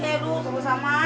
hei lu sama sama